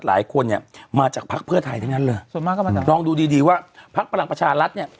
หลายคนเนี่ยมาจากภักดิ์เพื่อไทยทั้งนั้นเลยลองดูดีว่าภักดิ์ประลังประชารรัฐเนี่ย